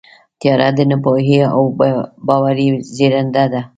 تیاره د ناپوهۍ او بېباورۍ زېږنده ده.